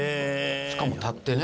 しかも立ってね。